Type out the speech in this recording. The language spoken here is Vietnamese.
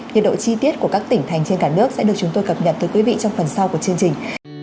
nhiệt độ chi tiết của các tỉnh thành trên cả nước sẽ được chúng tôi cập nhật tới quý vị trong phần sau của chương trình